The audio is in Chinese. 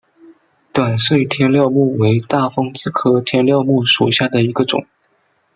短穗天料木为大风子科天料木属下的一个种。